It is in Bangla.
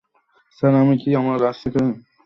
স্যার, আমি কী রাজাকে সাথে নিয়ে যাবো?